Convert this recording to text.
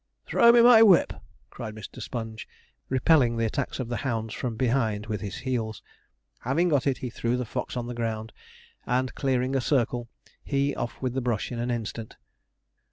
'Throw me my whip!' cried Mr. Sponge, repelling the attacks of the hounds from behind with his heels. Having got it, he threw the fox on the ground, and clearing a circle, he off with his brush in an instant.